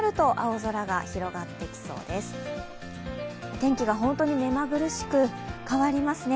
天気が本当に目まぐるしく変わりますね。